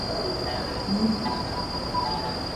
زوم د نکاح اساسي اهداف نه وو پېژندلي.